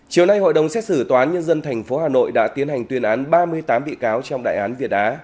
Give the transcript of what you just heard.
chiều nay hội đồng xét xử toán nhân dân thành phố hà nội đã tiến hành tuyên án ba mươi tám bị cáo trong đại án việt á